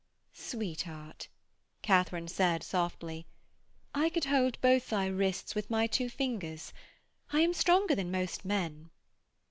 'Sweetheart,' Katharine said softly, 'I could hold both thy wrists with my two fingers. I am stronger than most men.'